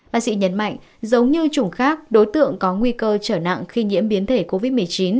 bác sĩ nhấn mạnh giống như chủng khác đối tượng có nguy cơ trở nặng khi nhiễm biến thể covid một mươi chín